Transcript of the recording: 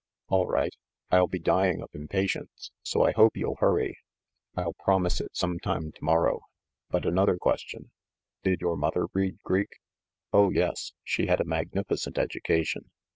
"All right. I'll be dying of impatience ; so I hope you'll hurry." "I'll promise it some time to morrow. But another question: Did your mother read Greek?" "Oh, yes, she had a magnificent education."